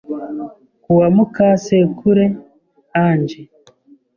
Ku wa Mukasekure Ange